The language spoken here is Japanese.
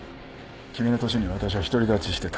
君の年に私は独り立ちしてた。